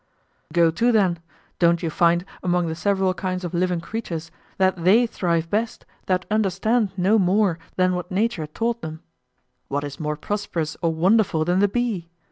Go to then, don't you find among the several kinds of living creatures that they thrive best that understand no more than what Nature taught them? What is more prosperous or wonderful than the bee?